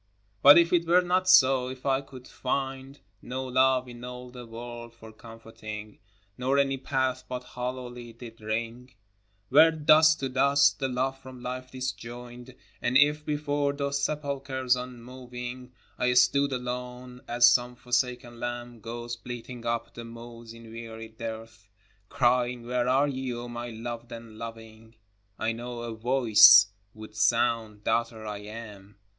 But if it were not so, — if I could find No love in all the world for comforting, Nor any path but hollowly did ring, Where "dust to dust"the love from life disjoined And if before those sepulchres unmoving I stood alone (as some forsaken lamb Goes bleating up the moors in weary dearth), Crying, " Where are ye, O my loved and loving?" I know a Voice would sound, " Daughter, I AM.